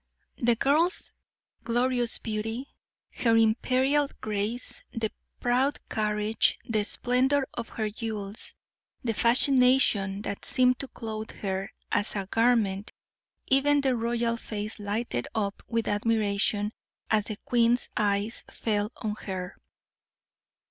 The girl's glorious beauty, her imperial grace, the proud carriage, the splendor of her jewels, the fascination that seemed to clothe her as a garment even the royal face lighted up with admiration as the queen's eyes fell on her.